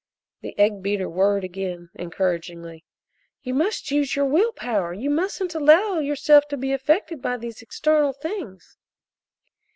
The egg beater whirred again encouragingly. "You must use your will power you mustn't allow yourself to be affected by these external things."